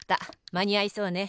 まにあいそうね。